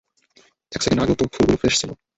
এক সেকেন্ড আগেও তো ফুলগুলো ফ্রেশ ছিল!